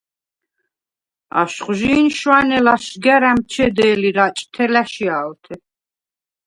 აშხვჟი̄ნ შვანე ლაშგა̈რ ა̈მჩედე̄ლი რაჭთე ლა̈შია̄ლთე.